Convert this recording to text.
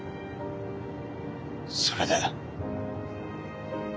それで？